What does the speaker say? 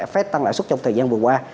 phép tăng lãi xuất trong thời gian vừa qua